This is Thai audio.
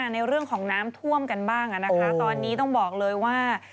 ในเรื่องของน้ำท่วมกันบ้างนะคะตอนนี้ต้องบอกเลยว่า